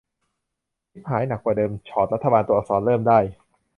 ฉิบหายหนักกว่าเดิม ฉอดรัฐบาล ตัวอักษร เริ่มได้